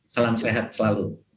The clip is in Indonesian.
salam sehat selalu